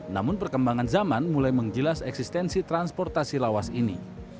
namun perkembangan zaman mulai menggilas eksistensi transportasi lawas ini